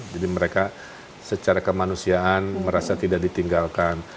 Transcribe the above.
jadi mereka secara kemanusiaan merasa tidak ditinggalkan